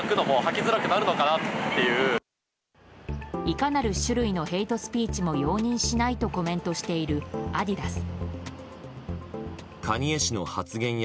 いかなる種類のヘイトスピーチも容認しないとコメントしているアディダス。